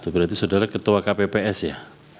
berarti saudara ketua kpps ya